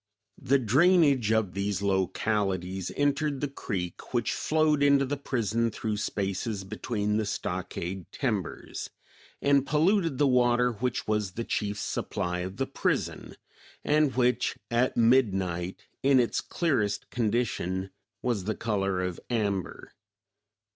The drainage of these localities entered the creek which flowed into the prison through spaces between the stockade timbers, and polluted the water which was the chief supply of the prison, and which, at midnight, in its clearest condition, was the color of amber.